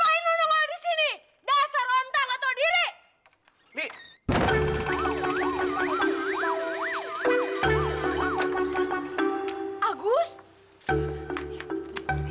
ngapain lu nunggu disini